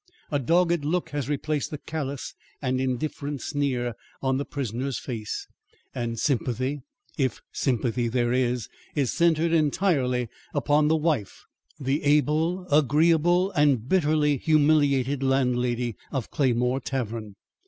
A dogged look has replaced the callous and indifferent sneer on the prisoner's face, and sympathy, if sympathy there is, is centred entirely upon the wife, the able, agreeable and bitterly humiliated landlady of Claymore Tavern.